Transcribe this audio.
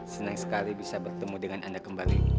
senang sekali bisa bertemu dengan anda kembali